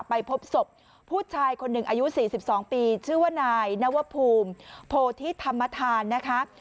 ไปพบศพผู้ชายคนหนึ่งอายุ๔๒ปีชื่อว่านายนวภูมิโพธิธรรมธานนะคะ